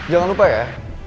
jangan lupa ya